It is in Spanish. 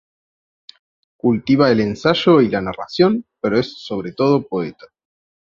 Cultiva el ensayo y la narración, pero es sobre todo poeta.